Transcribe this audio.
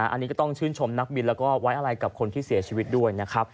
อันนี้ก็ต้องชื่นชมนักบินแล้วก็ไว้อะไรกับคนที่เสียชีวิตด้วยนะครับ